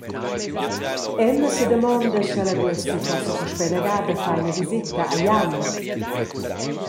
Emma sedamonda sch’ella duessi forsa puspei ina gada far ina viseta a Jan.